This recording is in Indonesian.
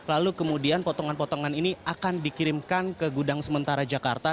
lalu kemudian potongan potongan ini akan dikirimkan ke gudang sementara jakarta